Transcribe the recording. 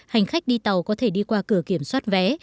hành khách đi tàu có thể đi qua cửa kiểm soát vé